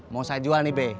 mau saya jual nih be